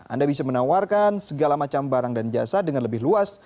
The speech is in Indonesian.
anda bisa menawarkan segala macam barang dan jasa dengan lebih luas